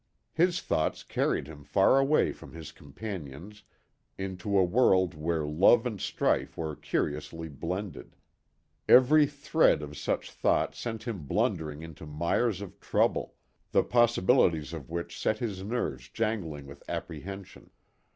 His thoughts carried him far away from his companions into a world where love and strife were curiously blended. Every thread of such thought sent him blundering into mires of trouble, the possibilities of which set his nerves jangling with apprehension.